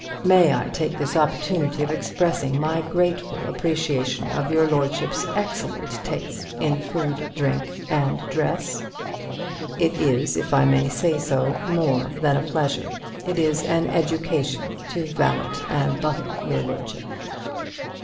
May I take this opportunity of expressing my grateful appreciation of your lordship's excellent taste in food, drink and dress? It is, if I may say so, more than a pleasure—it is an education, to valet and buttle your lordship.